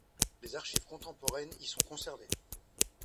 Les archives contemporaines y sont conservées.